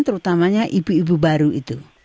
terutamanya ibu ibu baru itu